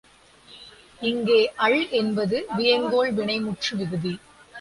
இங்கே அல் என்பது வியங்கோள் வினைமுற்று விகுதி.